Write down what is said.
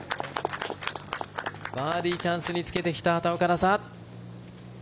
バーディーチャンスにつけてきた畑岡奈紗。